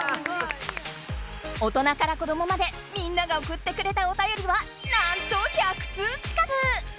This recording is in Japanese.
大人から子どもまでみんながおくってくれたお便りはなんと１００通ちかく！